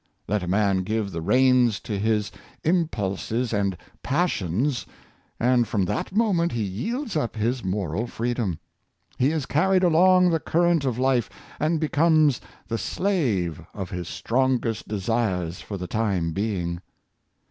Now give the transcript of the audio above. Let a man give the reins to his impulses and passions, and from that moment he yields up his, moral freedom. He is carried along the current of life, and becomes the slave of his strongest desires for the time being.